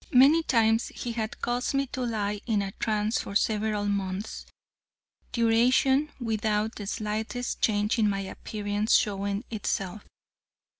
Many times he had caused me to lie in a trance for several months' duration without the slightest change in my appearance showing itself.